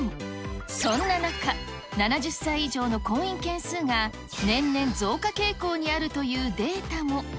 そんな中、７０歳以上の婚姻件数が年々増加傾向にあるというデータも。